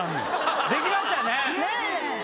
できましたね。ねぇ！